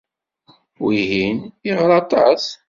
Wihin, iɣra aṭas